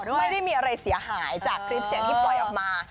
ไม่ได้มีอะไรเสียหายจากคลิปเสียงที่ปล่อยออกมา